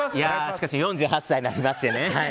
しかし４８歳になりましてね